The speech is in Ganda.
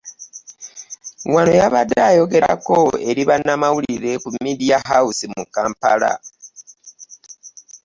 Wano yabadde ayogerako eri bannamawulire ku Media House mu Kampala